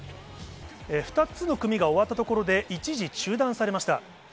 ２つの組が終わったところで一時中断されました。